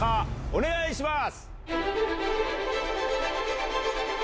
お願いします。